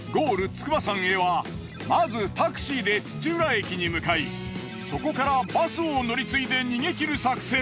筑波山へはまずタクシーで土浦駅に向かいそこからバスを乗り継いで逃げ切る作戦。